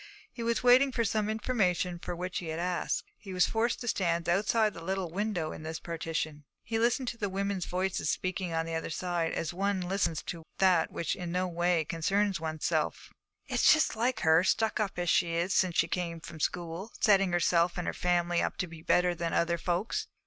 He was waiting for some information for which he had asked; he was forced to stand outside the little window in this partition. He listened to women's voices speaking on the other side, as one listens to that which in no way concerns oneself. 'It's just like her, stuck up as she is since she came from school, setting herself and her family up to be better than other folks.'